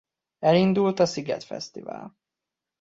Elindult a Sziget Fesztivál.